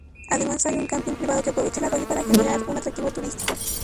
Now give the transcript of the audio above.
Además hay un camping privado que aprovecha el arroyo para generar un atractivo turístico.